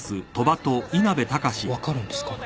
分かるんですか？